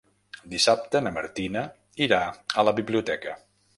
Dissabte na Martina irà a la biblioteca.